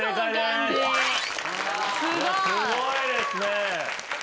すごいですね。